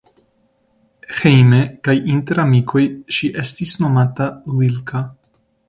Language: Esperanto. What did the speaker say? Hejme kaj inter amikoj ŝi estis nomata Lilka.